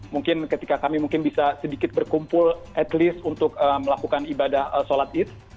mungkin ketika kami mungkin bisa sedikit berkumpul at least untuk melakukan ibadah sholat id